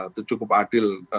itu cukup adil